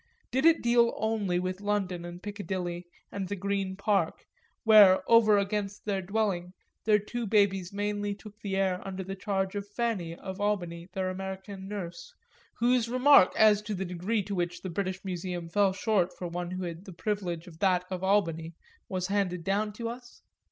did it deal only with London and Piccadilly and the Green Park, where, over against their dwelling, their two babies mainly took the air under charge of Fanny of Albany, their American nurse, whose remark as to the degree to which the British Museum fell short for one who had had the privilege of that of Albany was handed down to us?